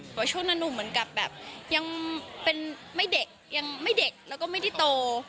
เพราะช่วงนั้นหนุ่มเหมือนกับแบบยังเป็นไม่เด็กยังไม่เด็กแล้วก็ไม่ได้โต